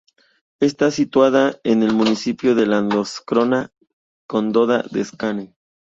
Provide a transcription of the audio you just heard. Está situada en el municipio de Landskrona, Condado de Skåne.